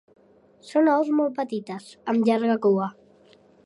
Són aus molt petites, amb llarga cua.